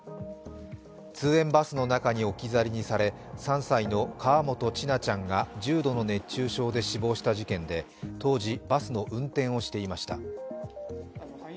通園バスの中に置き去りにされ、３歳の河本千奈ちゃんが重度の熱中症で死亡した事件で、当時、バスの運転をしていました。